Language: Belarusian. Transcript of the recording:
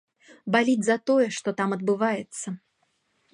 Баліць за тое, што там адбываецца.